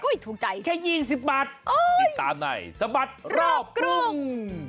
โอ๊ยถูกใจแค่ยิงสิบบัตรติดตามในสบัตรรอบกรุง